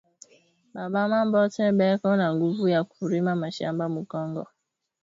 Ba mama bote beko na nguvu ya kurima mashamba mu kongo